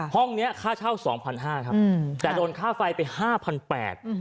ห้องนี้ค่าเช่า๒๕๐๐บาทครับแต่โดนค่าไฟไป๕๘๐๐บาท